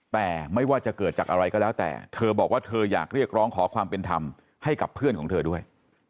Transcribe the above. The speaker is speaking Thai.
แต่ไม่ว่าจะเกิดจากอะไรก็แล้วแต่เธอบอกว่าเธออยากเรียกร้องขอความเป็นธรรมให้กับเพื่อนของเธอด้วย